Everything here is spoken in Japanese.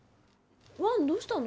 ワンどうしたの？